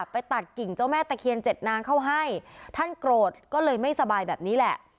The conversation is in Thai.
ไปตัดกิ่งเจ้าแม่ตะเคียนเจ็ดนางเข้าให้ท่านโกรธก็เลยไม่สบายแบบนี้แหละ